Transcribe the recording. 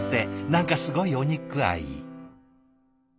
何かすごいお肉愛。